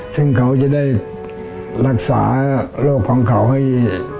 ซึ่งเขาจะได้รักษาโรคของเขาให้